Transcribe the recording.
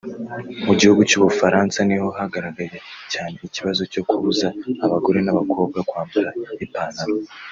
Mu gihugu cy’Ubufaransa niho hagaragaye cyane ikibazo cyo kubuza abagore n’abakobwa kwambara ipantalo